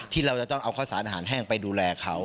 ที่เราจะต้องเอาข้าวสารอาหารแห้งไปดูแลเขา